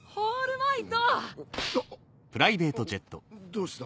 どうした？